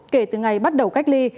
kể từ ngày bắt đầu cách ly